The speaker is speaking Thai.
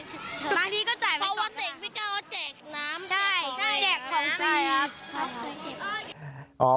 ชอบวันเด็กพี่เก้าจ่ายของจริง